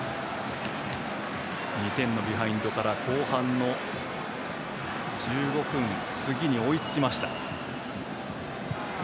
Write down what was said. ２点のビハインドから後半の１５分すぎに追いつきました。